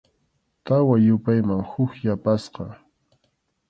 Tawa yupayman huk yapasqa.